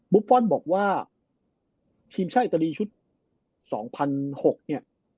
ฟอลบอกว่าทีมชาติอิตาลีชุด๒๐๐๖เนี่ย